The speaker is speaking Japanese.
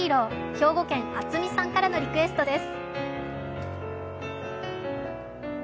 兵庫県アツミさんからのリクエストです。